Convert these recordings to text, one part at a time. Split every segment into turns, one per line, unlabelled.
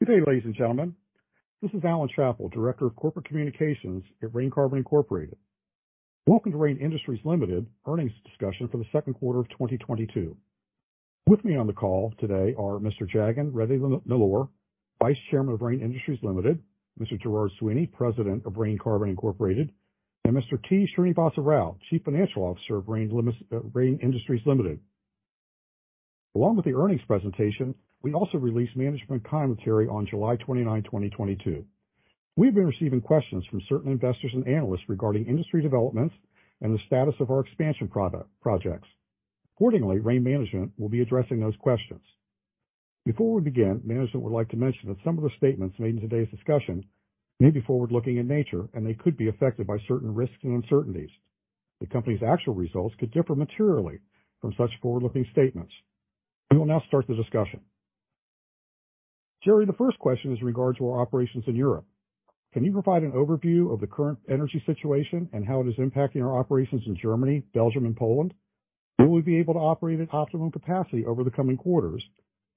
Good day, ladies and gentlemen. This is Alan Chapple, Director of Corporate Communications at Rain Carbon Incorporated. Welcome to Rain Industries Limited earnings discussion for the second quarter of 2022. With me on the call today are Mr. Jagan Reddy Nellore, Vice Chairman of Rain Industries Limited, Mr. Gerard Sweeney, President of Rain Carbon Incorporated, and Mr. T. Srinivasa Rao, Chief Financial Officer of Rain Industries Limited. Along with the earnings presentation, we also released management commentary on July 29, 2022. We've been receiving questions from certain investors and analysts regarding industry developments and the status of our expansion projects. Accordingly, Rain management will be addressing those questions. Before we begin, management would like to mention that some of the statements made in today's discussion may be forward-looking in nature, and they could be affected by certain risks and uncertainties. The company's actual results could differ materially from such forward-looking statements. We will now start the discussion. Gerry, the first question is in regards to our operations in Europe. Can you provide an overview of the current energy situation and how it is impacting our operations in Germany, Belgium, and Poland? Will we be able to operate at optimum capacity over the coming quarters?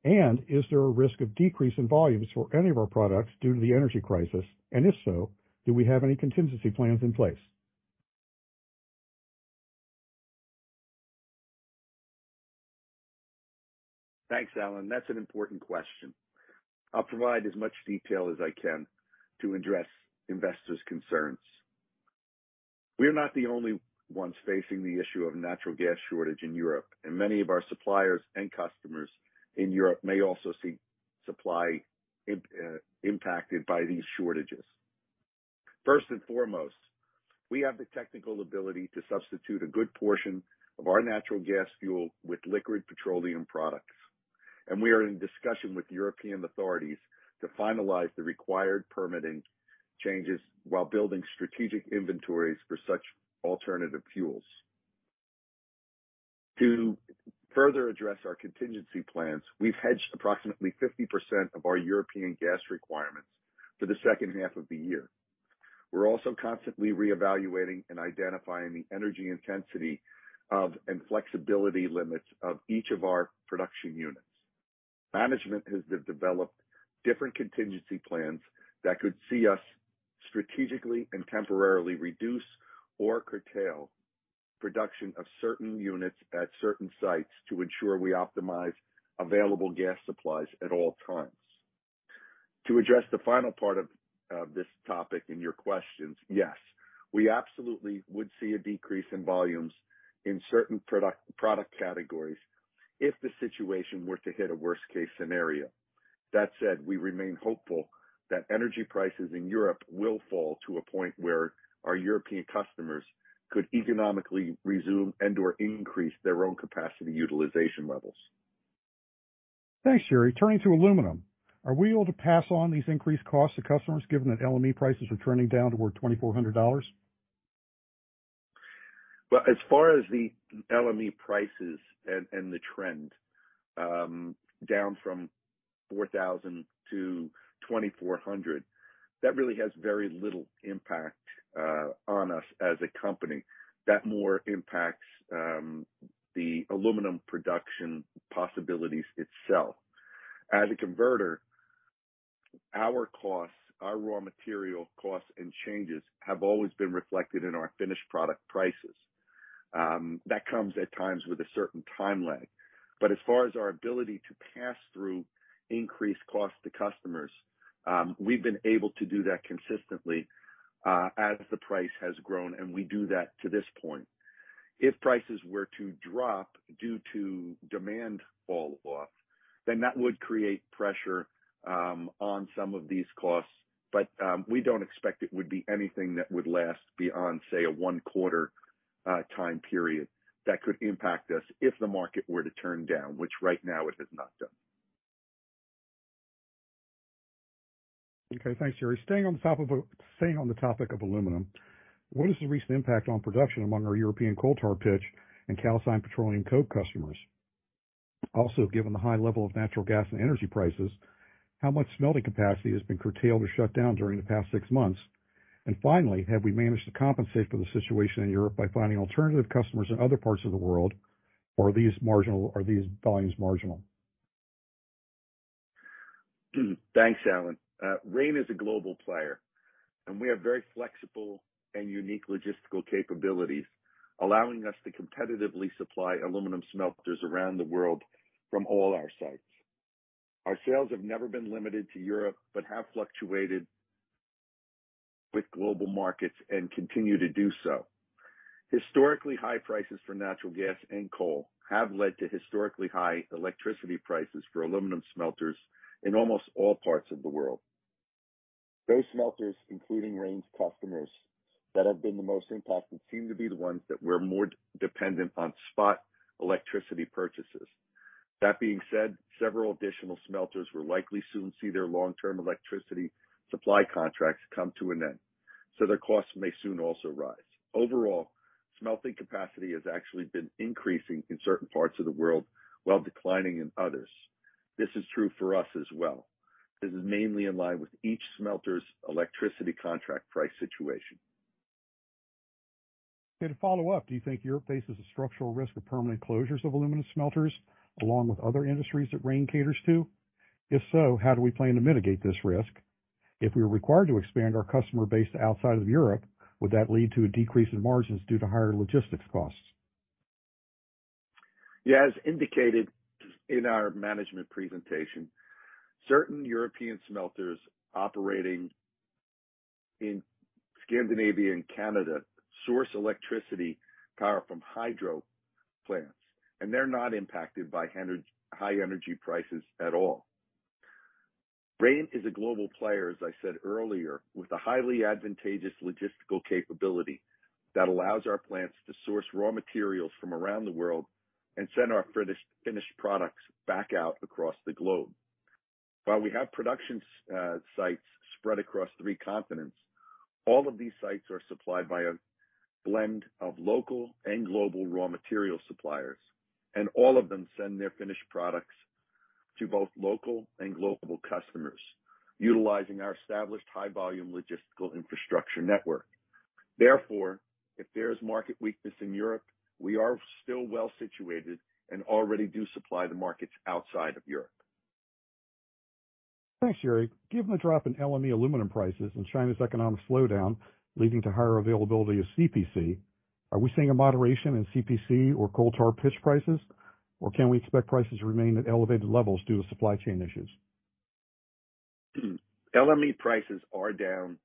Is there a risk of decrease in volumes for any of our products due to the energy crisis? If so, do we have any contingency plans in place?
Thanks, Alan. That's an important question. I'll provide as much detail as I can to address investors' concerns. We're not the only ones facing the issue of natural gas shortage in Europe, and many of our suppliers and customers in Europe may also see supply impacted by these shortages. First and foremost, we have the technical ability to substitute a good portion of our natural gas fuel with liquid petroleum products, and we are in discussion with European authorities to finalize the required permitting changes while building strategic inventories for such alternative fuels. To further address our contingency plans, we've hedged approximately 50% of our European gas requirements for the second half of the year. We're also constantly reevaluating and identifying the energy intensity of, and flexibility limits of each of our production units. Management has developed different contingency plans that could see us strategically and temporarily reduce or curtail production of certain units at certain sites to ensure we optimize available gas supplies at all times. To address the final part of this topic in your questions, yes, we absolutely would see a decrease in volumes in certain product categories if the situation were to hit a worst-case scenario. That said, we remain hopeful that energy prices in Europe will fall to a point where our European customers could economically resume and/or increase their own capacity utilization levels.
Thanks, Gerry. Turning to aluminum, are we able to pass on these increased costs to customers given that LME prices are trending down toward $2,400?
Well, as far as the LME prices and the trend down from 4,000-2,400, that really has very little impact on us as a company. That more impacts the aluminum production possibilities itself. As a converter, our costs, our raw material costs and changes have always been reflected in our finished product prices. That comes at times with a certain time lag. As far as our ability to pass through increased costs to customers, we've been able to do that consistently as the price has grown, and we do that to this point. If prices were to drop due to demand fall off, that would create pressure on some of these costs. We don't expect it would be anything that would last beyond, say, a one-quarter time period that could impact us if the market were to turn down, which right now it has not done.
Okay. Thanks, Gerry. Staying on the topic of aluminum, what is the recent impact on production among our European coal tar pitch and calcined petroleum coke customers? Also, given the high level of natural gas and energy prices, how much smelting capacity has been curtailed or shut down during the past six months? Finally, have we managed to compensate for the situation in Europe by finding alternative customers in other parts of the world, or are these volumes marginal?
Thanks, Alan. Rain is a global player, and we have very flexible and unique logistical capabilities, allowing us to competitively supply aluminum smelters around the world from all our sites. Our sales have never been limited to Europe, but have fluctuated with global markets and continue to do so. Historically, high prices for natural gas and coal have led to historically high electricity prices for aluminum smelters in almost all parts of the world. Those smelters, including Rain's customers, that have been the most impacted seem to be the ones that were more dependent on spot electricity purchases. That being said, several additional smelters will likely soon see their long-term electricity supply contracts come to an end, so their costs may soon also rise. Overall, smelting capacity has actually been increasing in certain parts of the world while declining in others. This is true for us as well. This is mainly in line with each smelter's electricity contract price situation.
Okay to follow up, do you think Europe faces a structural risk of permanent closures of aluminum smelters along with other industries that RAIN caters to? If so, how do we plan to mitigate this risk? If we are required to expand our customer base outside of Europe, would that lead to a decrease in margins due to higher logistics costs?
Yeah. As indicated in our management presentation, certain European smelters operating in Scandinavia and Canada source electric power from hydro plants, and they're not impacted by high energy prices at all. RAIN is a global player, as I said earlier, with a highly advantageous logistical capability that allows our plants to source raw materials from around the world and send our finished products back out across the globe. While we have production sites spread across three continents, all of these sites are supplied by a blend of local and global raw material suppliers, and all of them send their finished products to both local and global customers, utilizing our established high volume logistical infrastructure network. Therefore, if there is market weakness in Europe, we are still well situated and already do supply the markets outside of Europe.
Thanks, Gerry. Given the drop in LME aluminum prices and China's economic slowdown leading to higher availability of CPC, are we seeing a moderation in CPC or coal tar pitch prices, or can we expect prices to remain at elevated levels due to supply chain issues?
LME prices are down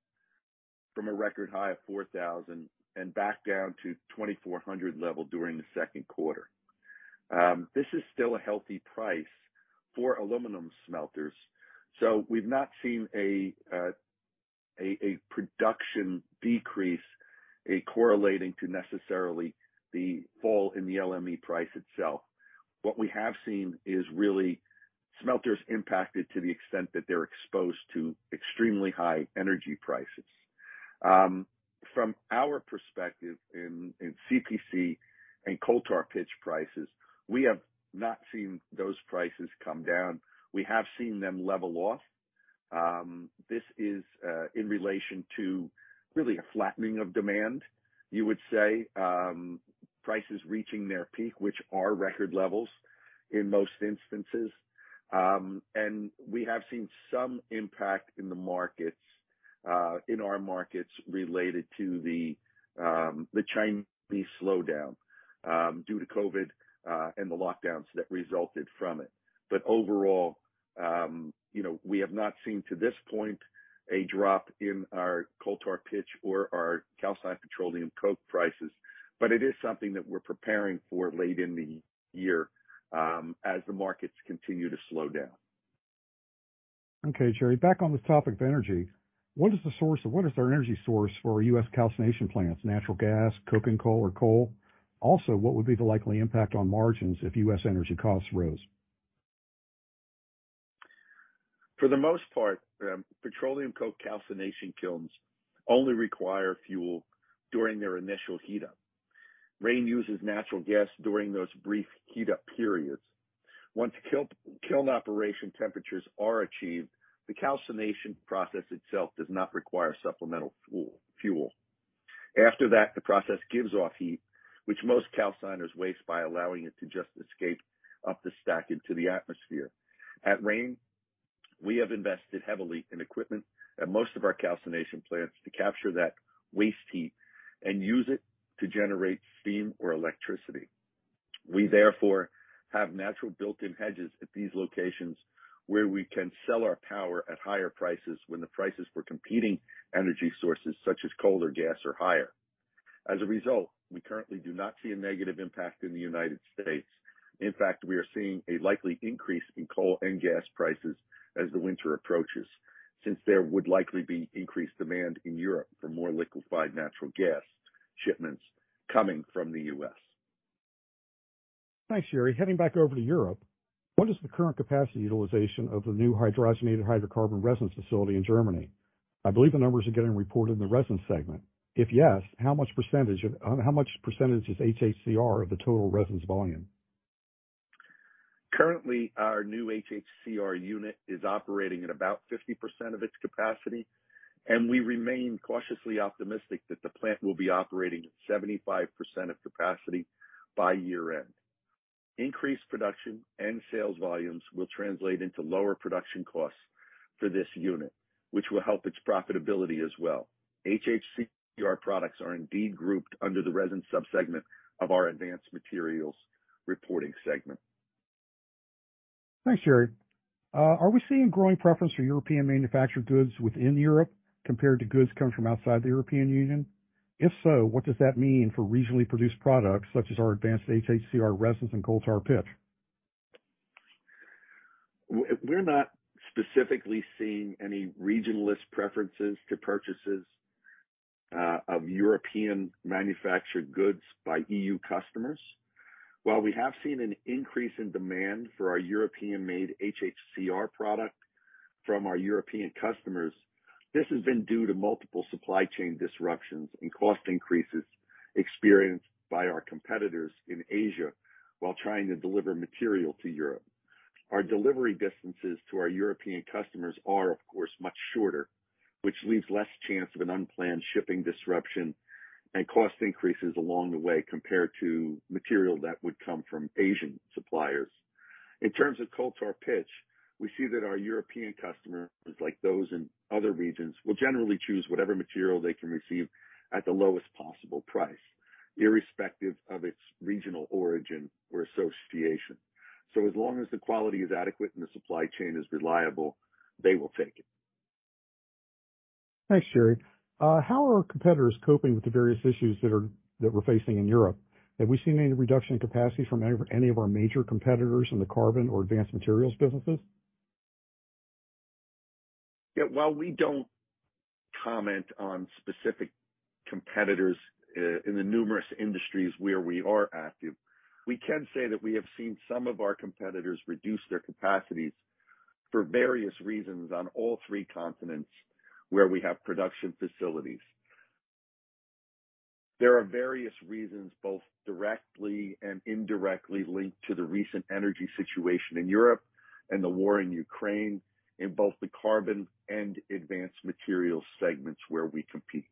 from a record high of $4,000 and back down to $2,400 level during the second quarter. This is still a healthy price for aluminum smelters. We've not seen a production decrease correlating to necessarily the fall in the LME price itself. What we have seen is really smelters impacted to the extent that they're exposed to extremely high energy prices. From our perspective in CPC and coal tar pitch prices, we have not seen those prices come down. We have seen them level off. This is in relation to really a flattening of demand, you would say, prices reaching their peak, which are record levels in most instances. We have seen some impact in the markets, in our markets related to the Chinese slowdown, due to COVID, and the lockdowns that resulted from it. Overall, you know, we have not seen to this point a drop in our coal tar pitch or our calcined petroleum coke prices. It is something that we're preparing for late in the year, as the markets continue to slow down.
Okay, Gerry, back on the topic of energy, what is our energy source for U.S. calcination plants? Natural gas, coking coal or coal? Also, what would be the likely impact on margins if U.S. energy costs rose?
For the most part, petroleum coke calcination kilns only require fuel during their initial heat-up. RAIN uses natural gas during those brief heat-up periods. Once kiln operation temperatures are achieved, the calcination process itself does not require supplemental fuel. After that, the process gives off heat, which most calciners waste by allowing it to just escape up the stack into the atmosphere. At RAIN, we have invested heavily in equipment at most of our calcination plants to capture that waste heat and use it to generate steam or electricity. We therefore have natural built-in hedges at these locations where we can sell our power at higher prices when the prices for competing energy sources such as coal or gas are higher. As a result, we currently do not see a negative impact in the U.S.. In fact, we are seeing a likely increase in coal and gas prices as the winter approaches, since there would likely be increased demand in Europe for more liquefied natural gas shipments coming from the US.
Thanks, Gerry. Heading back over to Europe, what is the current capacity utilization of the new hydrogenated hydrocarbon resins facility in Germany? I believe the numbers are getting reported in the resin segment. If yes, how much percentage is HHCR of the total resins volume?
Currently, our new HHCR unit is operating at about 50% of its capacity, and we remain cautiously optimistic that the plant will be operating at 75% of capacity by year-end. Increased production and sales volumes will translate into lower production costs for this unit, which will help its profitability as well. HHCR products are indeed grouped under the resin sub-segment of our Advanced Materials reporting segment.
Thanks, Gerry. Are we seeing growing preference for European manufactured goods within Europe compared to goods coming from outside the European Union? If so, what does that mean for regionally produced products such as our advanced HHCR resins and coal tar pitch?
We're not specifically seeing any regional preferences to purchases of European manufactured goods by EU customers. While we have seen an increase in demand for our European-made HHCR product from our European customers, this has been due to multiple supply chain disruptions and cost increases experienced by our competitors in Asia while trying to deliver material to Europe. Our delivery distances to our European customers are, of course, much shorter, which leaves less chance of an unplanned shipping disruption and cost increases along the way compared to material that would come from Asian suppliers. In terms of coal tar pitch, we see that our European customers, like those in other regions, will generally choose whatever material they can receive at the lowest possible price, irrespective of its regional origin or association. As long as the quality is adequate and the supply chain is reliable, they will take it.
Thanks, Gerry. How are competitors coping with the various issues that we're facing in Europe? Have we seen any reduction in capacity from any of our major competitors in the carbon or advanced materials businesses?
Yeah, while we don't comment on specific competitors in the numerous industries where we are active, we can say that we have seen some of our competitors reduce their capacities for various reasons on all three continents where we have production facilities. There are various reasons, both directly and indirectly linked to the recent energy situation in Europe and the war in Ukraine in both the Carbon and Advanced Materials segments where we compete.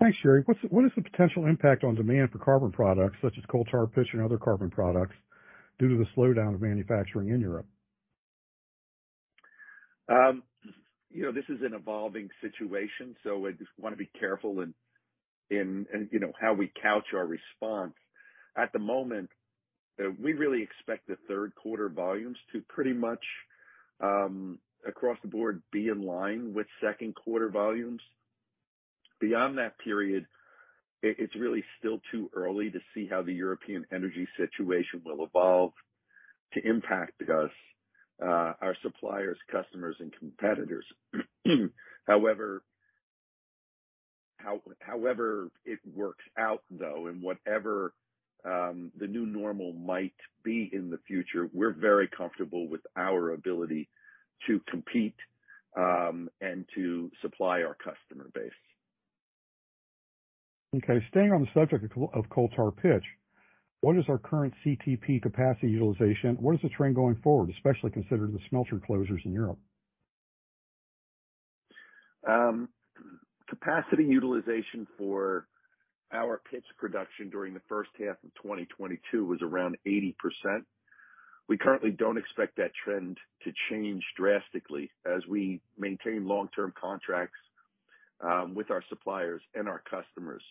Thanks, Gerry. What is the potential impact on demand for Carbon products such as coal tar pitch and other Carbon products due to the slowdown of manufacturing in Europe?
You know, this is an evolving situation, so I just wanna be careful in you know, how we couch our response. At the moment, we really expect the third quarter volumes to pretty much across the board be in line with second quarter volumes. Beyond that period, it's really still too early to see how the European energy situation will evolve to impact us, our suppliers, customers and competitors. However, however it works out though, and whatever the new normal might be in the future, we're very comfortable with our ability to compete and to supply our customer base.
Okay, staying on the subject of coal tar pitch, what is our current CTP capacity utilization? What is the trend going forward, especially considering the smelter closures in Europe?
Capacity utilization for our pitch production during the first half of 2022 was around 80%. We currently don't expect that trend to change drastically as we maintain long-term contracts with our suppliers and our customers.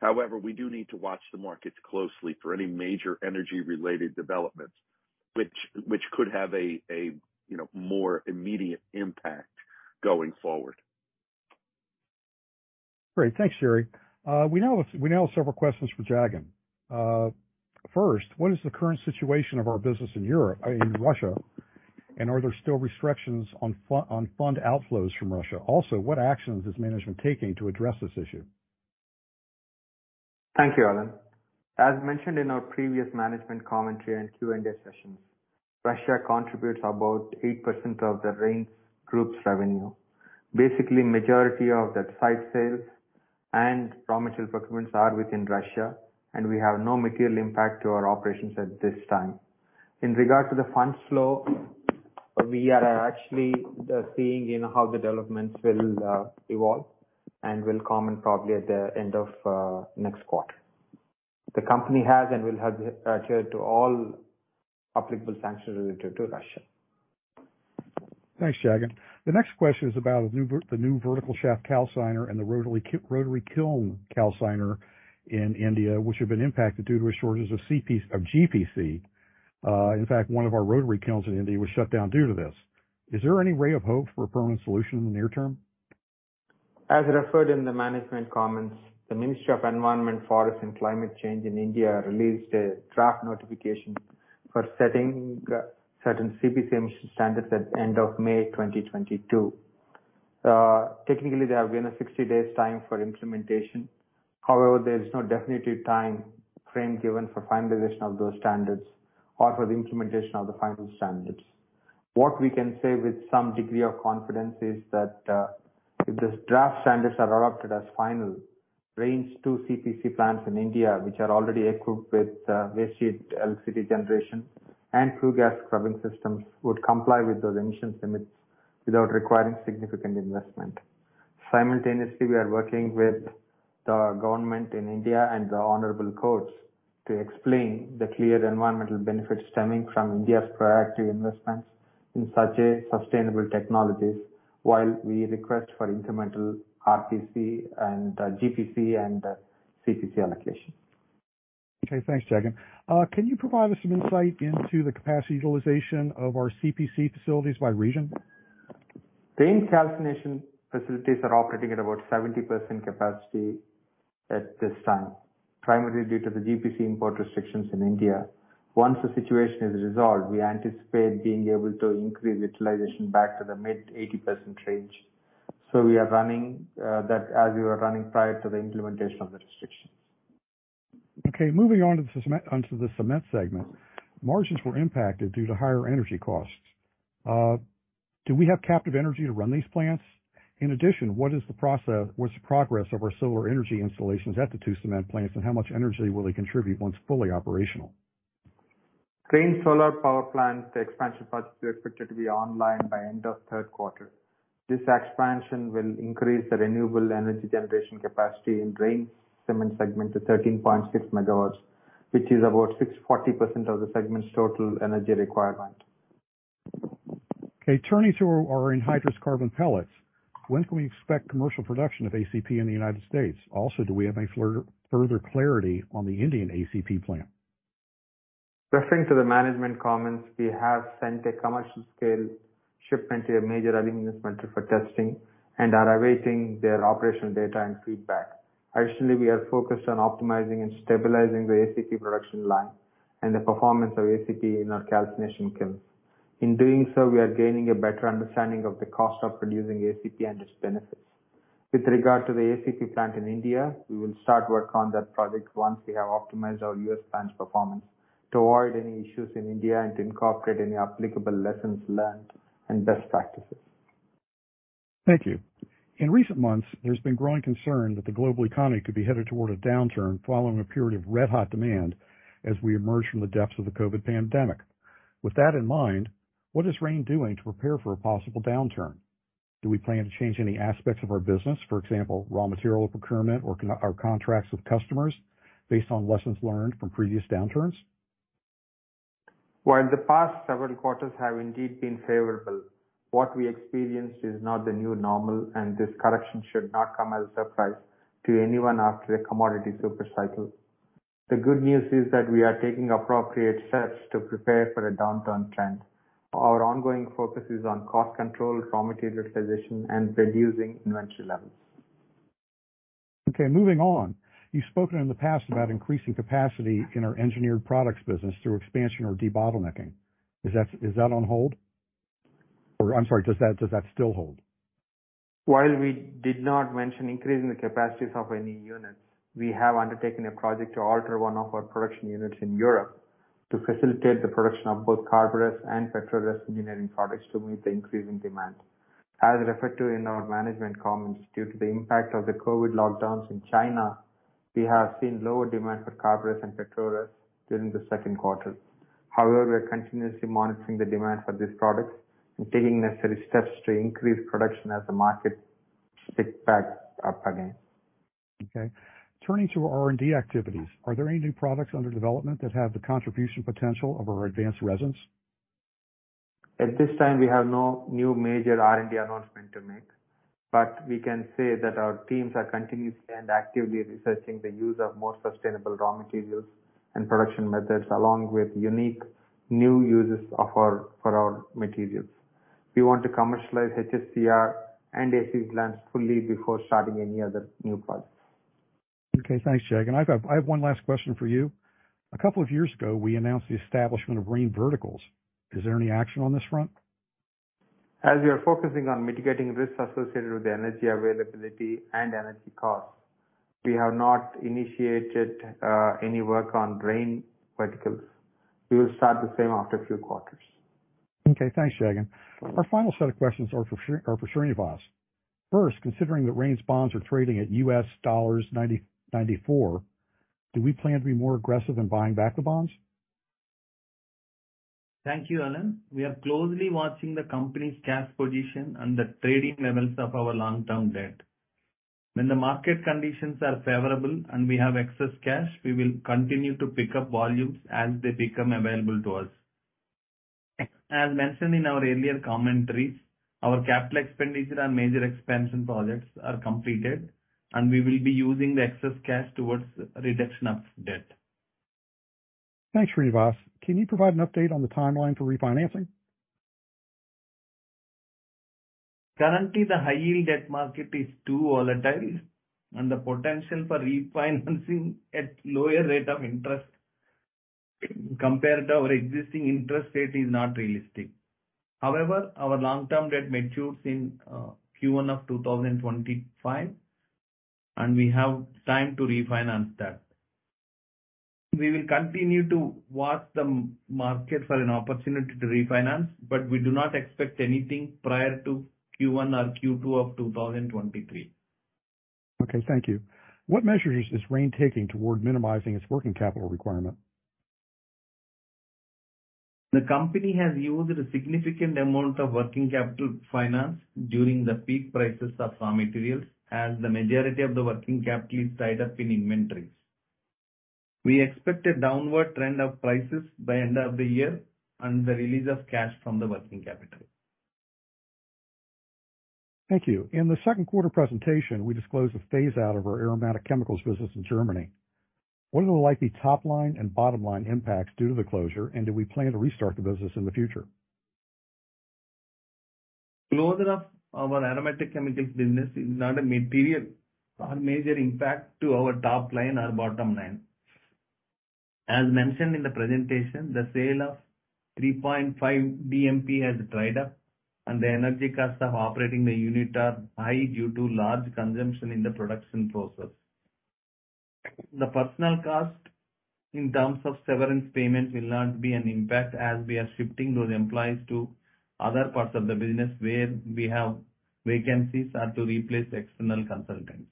However, we do need to watch the markets closely for any major energy-related developments which could have a you know, more immediate impact going forward.
Great. Thanks, Gerry. We now have several questions for Jagan. First, what is the current situation of our business in Russia, and are there still restrictions on fund outflows from Russia? Also, what actions is management taking to address this issue?
Thank you, Alan Chapple. As mentioned in our previous management commentary and Q&A sessions, Russia contributes about 8% of the RAIN Group's revenue. Basically, majority of that site's sales and raw material procurements are within Russia, and we have no material impact to our operations at this time. In regard to the fund flow, we are actually seeing how the developments will evolve and will comment probably at the end of next quarter. The company has, and will adhere to all applicable sanctions related to Russia.
Thanks, Jagan. The next question is about the new vertical shaft calciner and the rotary kiln calciner in India, which have been impacted due to a shortage of GPC. In fact, one of our rotary kilns in India was shut down due to this. Is there any ray of hope for a permanent solution in the near term?
As referred in the management comments, the Ministry of Environment, Forest and Climate Change in India released a draft notification for setting certain CPC emission standards at end of May 2022. Technically, there have been a 60 days time for implementation. However, there is no definitive time frame given for finalization of those standards or for the implementation of the final standards. What we can say with some degree of confidence is that, if the draft standards are adopted as final, Rain's two CPC plants in India, which are already equipped with, waste heat recovery generation and flue gas scrubbing systems, would comply with those emission limits without requiring significant investment. Simultaneously, we are working with the government in India and the honorable courts to explain the clear environmental benefits stemming from India's proactive investments in such a sustainable technologies while we request for incremental RPC and GPC and CPC allocation.
Okay. Thanks, Jagan. Can you provide us some insight into the capacity utilization of our CPC facilities by region?
The calcination facilities are operating at about 70% capacity at this time, primarily due to the GPC import restrictions in India. Once the situation is resolved, we anticipate being able to increase utilization back to the mid-80% range. We are running that as we were running prior to the implementation of the restrictions.
Okay, moving on to the cement segment. Margins were impacted due to higher energy costs. Do we have captive energy to run these plants? In addition, what's the progress of our solar energy installations at the two cement plants and how much energy will they contribute once fully operational?
Rain solar power plant, the expansion projects are expected to be online by end of third quarter. This expansion will increase the renewable energy generation capacity in Rain Cement segment to 13.6 MW, which is about 6.0% of the segment's total energy requirement.
Okay, turning to our anhydrous carbon pellets. When can we expect commercial production of ACP in the U.S.? Also, do we have any further clarity on the Indian ACP plant?
Referring to the management comments, we have sent a commercial scale shipment to a major aluminum smelter for testing and are awaiting their operational data and feedback. Actually, we are focused on optimizing and stabilizing the ACP production line and the performance of ACP in our calcination kilns. In doing so, we are gaining a better understanding of the cost of producing ACP and its benefits. With regard to the ACP plant in India, we will start work on that project once we have optimized our US plant's performance to avoid any issues in India and to incorporate any applicable lessons learned and best practices.
Thank you. In recent months, there's been growing concern that the global economy could be headed toward a downturn following a period of red-hot demand as we emerge from the depths of the COVID pandemic. With that in mind, what is Rain doing to prepare for a possible downturn? Do we plan to change any aspects of our business, for example, raw material procurement or our contracts with customers based on lessons learned from previous downturns?
While the past several quarters have indeed been favorable, what we experienced is not the new normal, and this correction should not come as a surprise to anyone after a commodity super cycle. The good news is that we are taking appropriate steps to prepare for a downturn trend. Our ongoing focus is on cost control, raw material acquisition, and reducing inventory levels.
Okay, moving on. You've spoken in the past about increasing capacity in our Engineered Products business through expansion or debottlenecking. Is that on hold? Or I'm sorry, does that still hold?
While we did not mention increasing the capacities of any units, we have undertaken a project to alter one of our production units in Europe to facilitate the production of both CARBORES and PETRORES engineered products to meet the increasing demand. As referred to in our management comments, due to the impact of the COVID lockdowns in China, we have seen lower demand for CARBORES and PETRORES during the second quarter. However, we are continuously monitoring the demand for these products and taking necessary steps to increase production as the market picks back up again.
Okay. Turning to R&D activities. Are there any new products under development that have the contribution potential of our advanced resins?
At this time, we have no new major R&D announcement to make, but we can say that our teams are continuously and actively researching the use of more sustainable raw materials and production methods, along with unique new uses for our materials. We want to commercialize HHCR and ACP fully before starting any other new projects.
Okay, thanks, Jagan. I have one last question for you. A couple of years ago, we announced the establishment of Rain Verticals. Is there any action on this front?
As we are focusing on mitigating risks associated with the energy availability and energy costs, we have not initiated any work on Rain Verticals. We will start the same after a few quarters.
Okay, thanks, Jagan. Our final set of questions are for Srinivas. First, considering that Rain's bonds are trading at $99.94, do we plan to be more aggressive in buying back the bonds?
Thank you, Alan. We are closely watching the company's cash position and the trading levels of our long-term debt. When the market conditions are favorable and we have excess cash, we will continue to pick up volumes as they become available to us. As mentioned in our earlier commentaries, our capital expenditure on major expansion projects are completed, and we will be using the excess cash towards reduction of debt.
Thanks, Srinivas. Can you provide an update on the timeline for refinancing?
Currently, the high-yield debt market is too volatile, and the potential for refinancing at lower rate of interest compared to our existing interest rate is not realistic. However, our long-term debt matures in Q1 of 2025, and we have time to refinance that. We will continue to watch the market for an opportunity to refinance, but we do not expect anything prior to Q1 or Q2 of 2023.
Okay, thank you. What measures is Rain taking toward minimizing its working capital requirement?
The company has used a significant amount of working capital finance during the peak prices of raw materials, as the majority of the working capital is tied up in inventories. We expect a downward trend of prices by end of the year and the release of cash from the working capital.
Thank you. In the second quarter presentation, we disclosed the phase out of our aromatic chemicals business in Germany. What are the likely top line and bottom line impacts due to the closure, and do we plan to restart the business in the future?
Closure of our aromatic chemicals business is not a material or major impact to our top line or bottom line. As mentioned in the presentation, the sale of 3,5-BMP has dried up, and the energy costs of operating the unit are high due to large consumption in the production process. The personnel cost in terms of severance payments will not be an impact, as we are shifting those employees to other parts of the business where we have vacancies or to replace external consultants.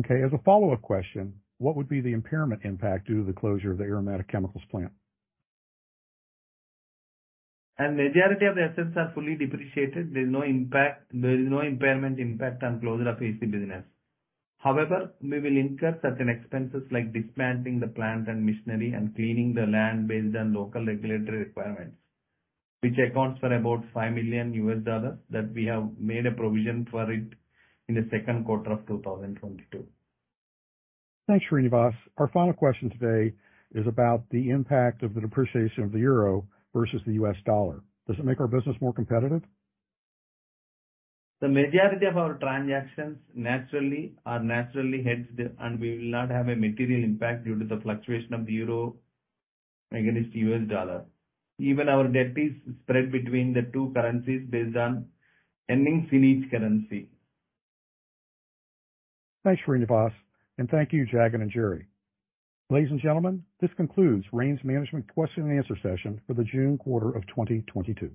Okay, as a follow-up question, what would be the impairment impact due to the closure of the aromatic chemicals plant?
A majority of the assets are fully depreciated. There's no impact. There is no impairment impact on closure of AC business. However, we will incur certain expenses like dismantling the plant and machinery and cleaning the land based on local regulatory requirements, which accounts for about $5 million that we have made a provision for it in the second quarter of 2022.
Thanks, Srinivas. Our final question today is about the impact of the depreciation of the euro versus the US dollar. Does it make our business more competitive?
The majority of our transactions are naturally hedged, and we will not have a material impact due to the fluctuation of the euro against the U.S. dollar. Even our debt is spread between the two currencies based on earnings in each currency.
Thanks, Srinivas. Thank you, Jagan and Gerry. Ladies and gentlemen, this concludes Rain's management question and answer session for the June quarter of 2022.